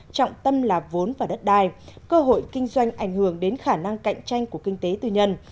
trọng tâm là vốn và đất đai cơ hội kinh doanh ảnh hưởng đến khả năng cạnh tranh của kinh tế tư nhân